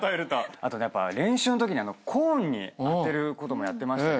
あとやっぱ練習のときにコーンに当てることもやってましたけれども。